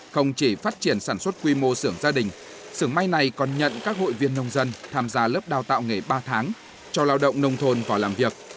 không chỉ phát triển sản xuất quy mô sưởng gia đình sưởng may này còn nhận các hội viên nông dân tham gia lớp đào tạo nghề ba tháng cho lao động nông thôn vào làm việc